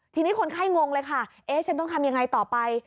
ทีนี้คนไข้งงเลยค่ะเอ๊ะฉันต้องทำยังไงต่อไป